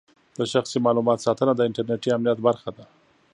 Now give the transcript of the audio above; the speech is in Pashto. د شخصي معلوماتو ساتنه د انټرنېټي امنیت برخه ده.